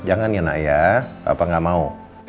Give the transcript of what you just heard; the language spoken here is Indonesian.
jangan ya nak ya papa gak mau